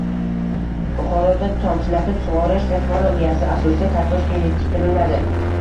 Buxoroda tomchilatib sug‘orish texnologiyasi asosida kartoshka yetishtiriladi